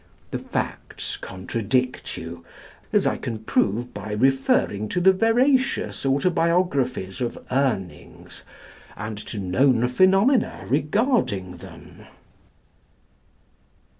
The facts contradict you, as I can prove by referring to the veracious autobiographies of Urnings and to known phenomena regarding them.